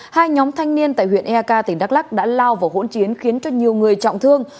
hai nhóm thanh niên tại huyện eak tỉnh đắk lắc đã lao vào hỗn chiến khiến cho nhiều người trọng thương